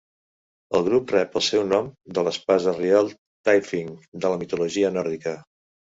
El grup rep el seu nom de l'espasa reial Tyrfing de la mitologia nòrdica.